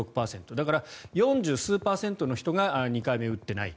だから、４０数パーセントの人が２回目打ってない。